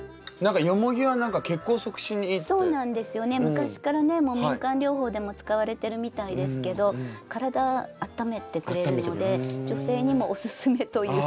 昔からね民間療法でも使われてるみたいですけど体あっためてくれるので女性にもおすすめという。